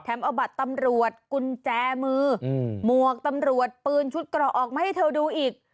เอาบัตรตำรวจกุญแจมือหมวกตำรวจปืนชุดเกราะออกมาให้เธอดูอีก